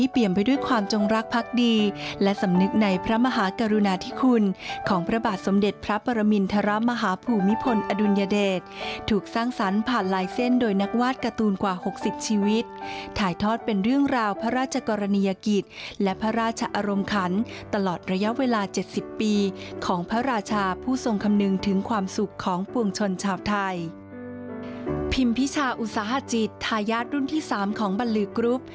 พิมพิคุณพิชาอุตสาหกิจทายาทรุ่นที่๓ของบรรลือกรุ๊ป